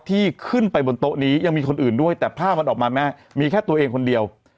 ที่ขึ้นไปบนโต๊ะนี้ยังมีคนอื่นด้วยแต่ภาพมันออกมาแม่มีแค่ตัวเองคนเดียว